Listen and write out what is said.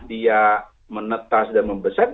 dia menetas dan membesar